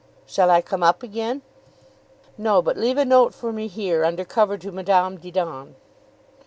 "Shall I come up again?" "No; but leave a note for me here under cover to Madame Didon."